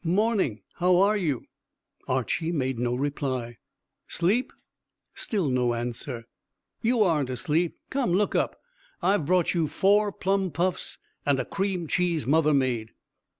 "Morning. How are you?" Archy made no reply. "'Sleep?" Still no answer. "You aren't asleep. Come, look up. I've brought you four plum puffs, and a cream cheese mother made."